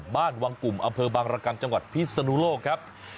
บ้านวังกลุ่มอำเภอบางรกรรมจังหวัดพิศนุโลกครับ